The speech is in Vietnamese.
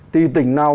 thì tỉnh nào